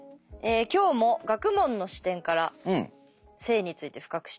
「今日も学問の視点から性について深く知って頂きます」。